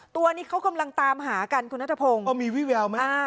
ตัวนี้เขากำลังตามหากันคุณนัทพงศ์มีวิแววไหมอ่า